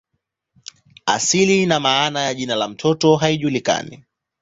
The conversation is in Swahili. Asili na maana ya jina la mto haijulikani.